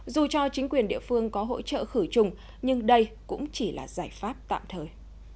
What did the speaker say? dù cho chính quyền địa phương có hỗ trợ khử trùng nhưng đây cũng chỉ là giải pháp tạm thời